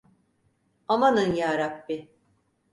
Amanın Yarabbi!